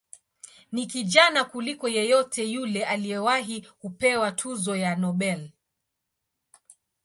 Ni kijana kuliko yeyote yule aliyewahi kupewa tuzo ya Nobel.